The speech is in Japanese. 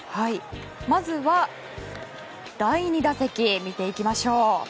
まずは第２打席見ていきましょう。